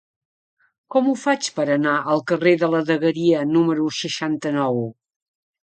Com ho faig per anar al carrer de la Dagueria número seixanta-nou?